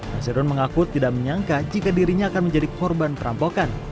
nasirun mengaku tidak menyangka jika dirinya akan menjadi korban perampokan